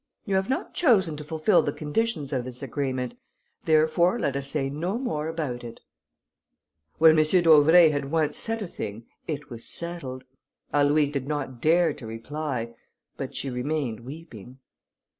You have not chosen to fulfil the conditions of this agreement, therefore let us say no more about it." When M. d'Auvray had once said a thing, it was settled. Aloïse did not dare to reply, but she remained weeping.